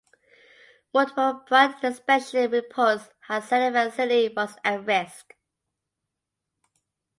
Multiple prior inspection reports had said the facility was at risk.